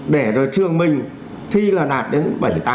để rồi trường mình thi là đạt đến bảy tám chín mươi